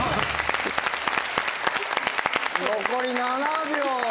残り７秒。